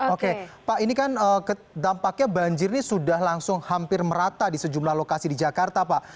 oke pak ini kan dampaknya banjir ini sudah langsung hampir merata di sejumlah lokasi di jakarta pak